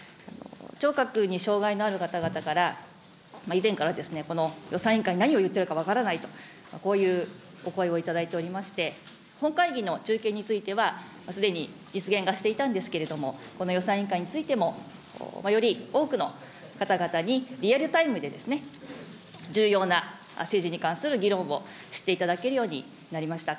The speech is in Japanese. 聴覚に障害のある方々から、以前からこの予算委員会で何を言っているか分からないと、こういうお声を頂いておりまして、本会議の中継については、すでに実現がしていたんですけれども、この予算委員会についても、より多くの方々に、リアルタイムで、重要な政治に関する議論を知っていただけるようになりました。